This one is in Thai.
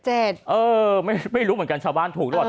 ไม่รู้เหมือนกันชาวบ้านถูกหรือเปล่า